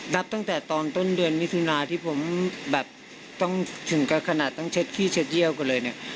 นับตั้งแต่ตอนต้นเดือนมิถุนาที่ผมแบบต้องถึงกับขนาดต้องเช็ดขี้เช็ดเยี่ยวกันเลยเนี่ย